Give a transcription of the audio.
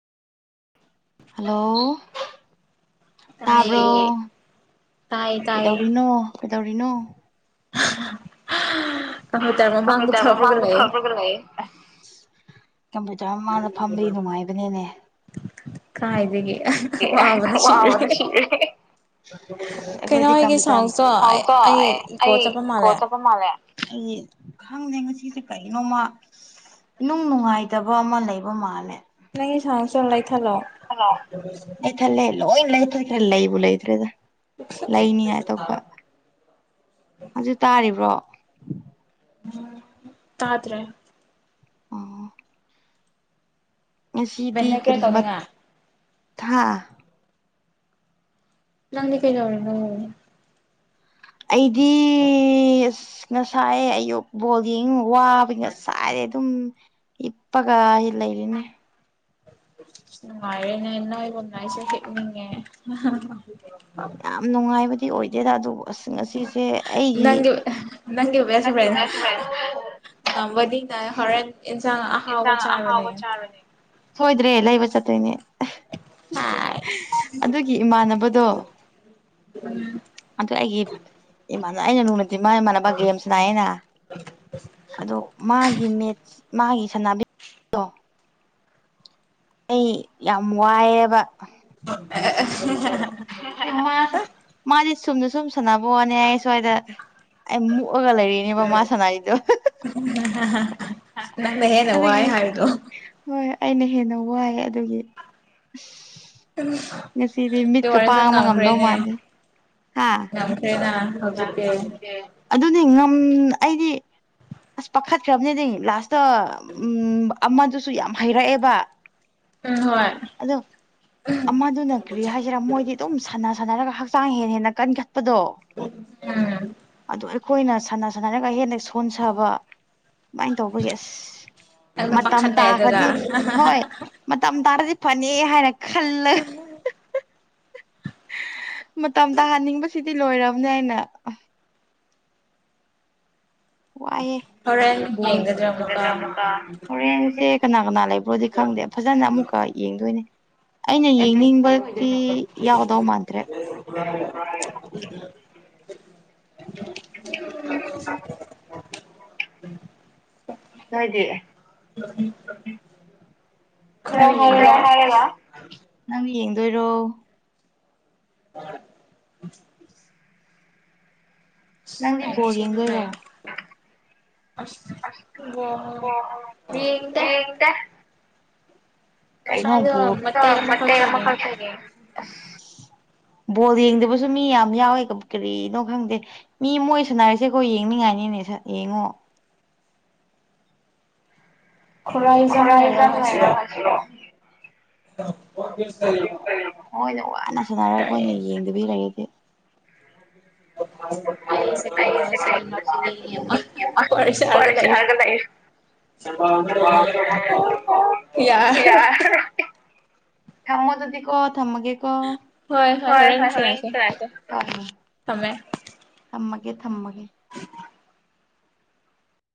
hello ꯇꯥꯕ꯭ꯔꯣ ꯀꯩꯗꯧꯔꯤꯅꯣ ꯀꯩꯗꯧꯔꯤꯅꯣ ꯑ ꯇꯔꯃ ꯃꯉ ꯐꯕꯔꯒ ꯂꯩꯑꯦ ꯀꯝꯄ꯭ꯌꯨꯇꯔ ꯃꯥꯥꯡꯗ ꯐꯝꯗꯤ ꯅꯨꯡꯉꯥꯏꯕꯅꯤꯅꯦ ꯀꯥꯏꯗꯒꯤ ꯋꯥꯕꯅ ꯁꯤꯦ ꯑ ꯑꯩꯈꯥꯎ ꯑꯩꯒꯣ ꯆꯠꯄ ꯃꯥꯜꯂꯦ ꯈꯪꯉ ꯁꯤꯁꯦ ꯀꯩꯅꯣꯃ ꯏꯅꯨꯡ ꯅꯨꯡꯉꯥꯏꯇꯕ ꯑꯃ ꯂꯩꯕ ꯃꯥꯜꯂ ꯆꯂꯥꯏ ꯊꯂꯣ ꯂꯣꯏꯟ ꯂꯩ ꯊꯣꯏꯈ꯭ꯔꯦ ꯂꯩꯕꯨ ꯂꯩꯗ꯭ꯔꯦꯗ ꯂꯩꯅꯤ ꯍꯥꯏꯥꯏ ꯇꯄ ꯍꯧꯖꯤꯛ ꯇꯥꯔꯤꯕ꯭ꯔꯣ ꯎꯝ ꯇꯥ ꯇꯔꯦ ꯑꯣ ꯉꯁꯤꯗꯤ ꯀꯔꯤꯃ ꯊꯥ ꯅꯪ ꯀꯩꯗ ꯑꯣꯏ ꯑꯩꯗꯤ ꯎ ꯀꯦꯁ ꯉ ꯁꯥꯏꯦ ꯑꯌꯨꯛ ꯕꯣꯜꯒꯤꯡ ꯋꯥꯕ ꯉ ꯁꯥꯏꯔꯦ ꯑꯗꯨꯝ ꯏꯄꯥꯒ ꯏꯂ ꯏꯅꯦ ꯅꯔꯅꯟꯅꯕ ꯉꯏꯁ ꯀꯦꯅꯤꯡ ꯌꯥꯝ ꯅꯨꯡꯉꯥꯏꯕꯗꯤ ꯑꯣꯏꯗꯦꯗ ꯑꯗꯨꯕꯨ ꯉꯁꯤꯁꯦ ꯑꯩꯒꯤ ꯍꯔ ꯏꯟꯁꯥꯡ ꯑꯍꯥꯎꯕ ꯆꯥꯔꯅꯦ ꯁꯣꯏꯗ꯭ꯔꯦ ꯂꯩꯕ ꯆꯠꯇꯣꯏꯅꯦ ꯑꯗꯨꯒꯤ ꯏꯃꯥꯟꯅꯕꯗꯣ ꯎꯝ ꯑꯗꯨ ꯑꯩꯒꯤ ꯏꯃ ꯑꯩꯅ ꯅꯨꯡ ꯗꯤ ꯃ ꯏꯃꯥꯟꯅꯕ ꯒꯦꯝꯁꯤꯅꯌꯦꯩꯅ ꯑꯗꯣ ꯃꯥꯒꯤ ꯃꯦꯠꯁ ꯃꯥꯒꯤ ꯁꯥꯟꯅꯕꯤ ꯑꯩ ꯌꯥꯝ ꯋꯥꯏꯑꯦꯕ [unintelligible] ꯃꯥꯗꯤ ꯁꯨꯝꯗ ꯁꯨꯝ ꯁꯥꯟꯅꯕꯣꯅꯦ ꯑꯩ ꯁ꯭ꯋꯥꯏꯗ ꯑꯩ ꯀꯣꯛꯑꯒ ꯂꯩꯔꯤꯅꯦꯕꯃ ꯁꯅꯥꯏꯗꯣ ꯑꯗꯨꯗꯒꯤ ꯍꯣꯏ ꯑꯩꯅ ꯍꯦꯟꯅ ꯋꯥꯏ ꯑꯗꯨꯒꯤ ꯋꯥꯔ ꯆꯅ ꯉꯝꯈ꯭ꯔꯦꯅꯦ ꯉꯝꯈ꯭ꯔꯦꯅ ꯑꯗꯨꯗꯤ ꯉ ꯑꯩꯗꯤ ꯑꯁ ꯄꯥꯈꯠꯈ꯭ꯔꯕꯅꯦꯗꯤ ꯂꯥꯁꯇꯣ ꯎ ꯑꯃꯗꯨꯁꯨ ꯌꯥꯝ ꯍꯩꯔꯛꯑꯦꯕ ꯑꯗꯣ ꯑꯃꯗꯨꯅ ꯀ꯭ꯔꯤ ꯍꯥꯏꯁꯤꯔꯥ ꯃꯣꯏꯗꯤ ꯑꯗꯨꯝ ꯁꯥꯟ ꯁꯥꯟꯅꯔꯒ ꯍꯛꯆꯥꯡ ꯍꯦꯟꯅ ꯍꯦꯟꯅ ꯀꯟꯈꯠꯄꯗꯣ ꯑꯗꯨ ꯑꯩꯈꯣꯏꯅ ꯁꯥꯟꯅ ꯁꯅꯔꯒ ꯍꯦꯟꯅ ꯁꯣꯟꯊꯕ ꯑꯗꯨꯨꯃꯥꯏꯅ ꯇꯧꯕ ꯌꯦꯁ ꯃꯇꯝ ꯇꯥꯈ꯭ꯔꯗꯤ ꯍꯣꯏ ꯃꯇꯝ ꯇꯥꯔꯗꯤ ꯐꯅꯦꯦꯛ ꯍꯥꯏꯅ ꯈꯜꯂꯦ ꯃꯇꯝ ꯇꯥꯍꯟꯅꯤꯡꯕꯁꯤꯗꯤ ꯂꯣꯏꯔꯕꯅꯦ ꯍꯥꯏꯅ ꯋꯥꯑꯦ ꯣ ꯍꯣꯔꯦꯟꯁꯦ ꯀꯅꯥ ꯀꯅꯥ ꯂꯩꯕ꯭ꯔꯣꯗꯤ ꯈꯪꯗꯦ ꯐꯖꯅ ꯑꯃꯨꯛꯀ ꯌꯦꯡꯗꯣꯏꯅꯦ ꯑꯦꯗ꯭ꯔꯦꯁ ꯀꯔ ꯑꯣꯏꯗ ꯅ [unintelligible] [unintelligible] ꯎꯝ ꯅꯣꯏꯗꯤꯌꯦ ꯅꯪ ꯅꯪꯅ ꯌꯦꯡꯗꯣꯏꯔꯣ [unintelligible] ꯅꯪꯗꯤ ꯕꯣꯜ ꯌꯦꯡꯗꯣꯏꯔꯣ ꯌꯦꯟꯗꯦ ꯀꯩꯅꫭ [unintelligible] ꯕꯣꯜ ꯌꯦꯡꯗꯕꯁꯨ ꯃꯤ ꯌꯥꯝ ꯌꯥꯎꯋꯦ ꯀꯔꯤꯅꯣ ꯈꯪꯗꯦ ꯃꯤ ꯃꯣꯏ ꯁꯅꯔꯤꯁꯦ ꯑꯩꯈꯣꯏ ꯌꯦꯡꯅꯤꯡꯉꯥꯏꯅꯤꯅꯦ ꯌꯦꯡꯉꯣ ꯈꯔ ꯏꯖꯝ ꯂꯩꯅ ꯍꯥꯖꯤ ꯍꯣꯏꯅ ꯋꯥꯅ ꯁꯥꯟꯅꯔꯒ ꯑꯩꯈꯣꯏꯅ ꯌꯦꯡꯗꯕꯤ ꯂꯩꯔꯗꯤ ꯔ [unintelligible] ꯌꯥꯔꯥꯔꫭꯏ ꯊꯝꯃꫭ ꯑꯗꯨꯗꯤ ꯀꯣ ꯊꯝꯃꯒꯦꯀꯣ ꯍꯣꯏ ꯍꯣꯏ ꯍ ꯊꯝꯃꯒꯦ ꯊꯝꯃꯒꯦ